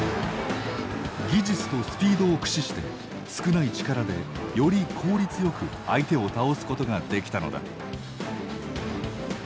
技術とスピードを駆使して少ない力で、より効率よく相手を倒すことができたのだ。